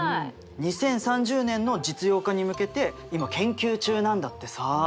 ２０３０年の実用化に向けて今研究中なんだってさ。